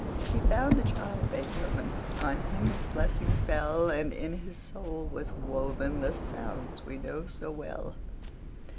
He found the child Beethoven; On him his blessing fell. And in his soul was woven The sounds we know so well.